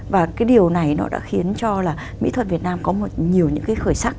và cái điều này nó đã khiến cho là mỹ thuật việt nam có nhiều những cái khởi sắc